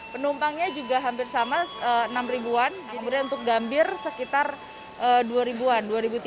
penumpangnya juga hampir sama enam ribuan jadi untuk gambir sekitar dua ribuan dua tiga ratus